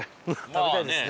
食べたいですね